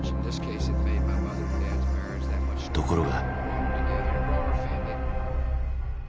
ところが。